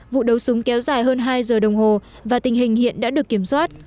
vụ đấu súng kéo dài hơn hai giờ đồng hồ và tình hình hiện đã được kiểm soát